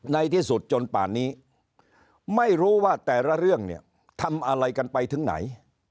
ในที่สุดจนป่านนี้ไม่รู้ว่าแต่ละเรื่องเนี่ยทำอะไรกันไปถึงไหน